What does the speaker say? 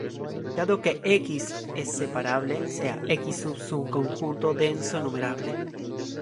Dado que "X" es separable, sea {"x"} un subconjunto denso numerable.